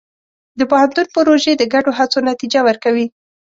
د پوهنتون پروژې د ګډو هڅو نتیجه ورکوي.